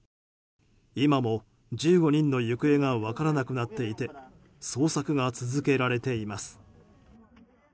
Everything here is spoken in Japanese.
今も１５人の行方が分からなくなっていて捜索が続けられています。